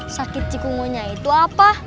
sakit cikungunya itu apa